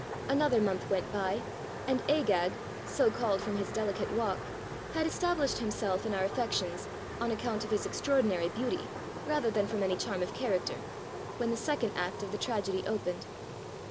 Another month went by, and Agag (so called from his delicate walk) had established himself in our affec tions, on account of his extraordinary beauty, rather than from any charm of character, when the second act of the tragedy opened.